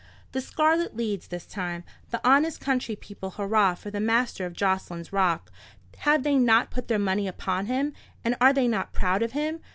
The scarlet leads this time. The honest country people hurrah for the master of Jocelyn's Rock. Have they not put their money upon him, and are they not proud of him?